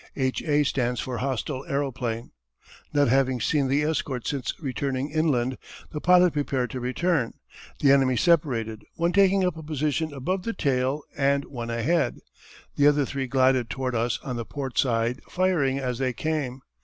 "H. A." stands for "hostile aeroplane." "Not having seen the escort since returning inland, the pilot prepared to return. The enemy separated, one taking up a position above the tail and one ahead. The other three glided toward us on the port side, firing as they came.